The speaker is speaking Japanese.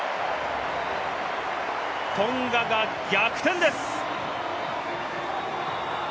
トンガが逆転です！